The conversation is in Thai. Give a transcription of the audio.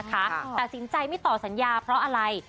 ตัดสินใจไม่ต่อสัญญาเพราะอะไร